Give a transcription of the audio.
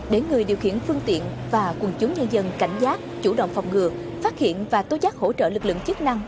để người điều khiển phương tiện và quần chúng nhân dân cảnh giác chủ động phòng ngừa phát hiện và tố giác hỗ trợ lực lượng chức năng